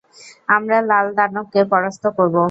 আমরা লাল দানবকে পরাস্ত করবো।